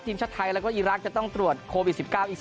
ทีมชะไทยแล้วก็อีรักษณ์จะต้องตรวจโควิด๑๙